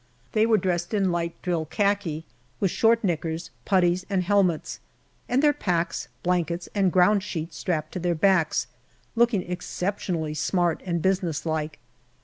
They were dressed in light drill khaki, with short knickers, putties, and helmets, and their packs, blankets, and ground sheet strapped to their backs, looking exceptionally smart and business like.